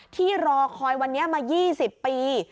ที่รอคอยวันนี้มา๒๐ปี